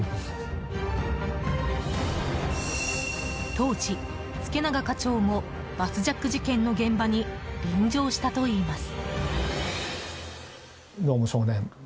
当時、助永課長もバスジャック事件の現場に臨場したといいます。